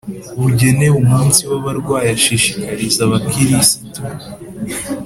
bugenewe umunsi w’abarwayi ashishikariza abakirisitu